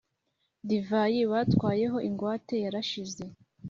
divayi batwaye ho ingwate yarashize